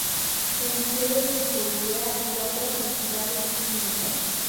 En fiebre tifoidea y otras entidades clínicas.